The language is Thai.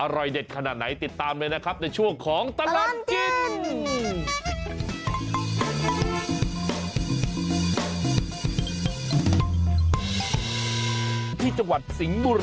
อร่อยเด็ดขนาดไหนติดตามเลยนะครับในช่วงของตลอดกิน